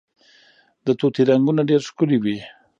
د طوطي رنګونه ډیر ښکلي وي